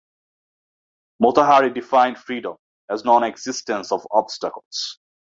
Motahari defined freedom as nonexistence of obstacles.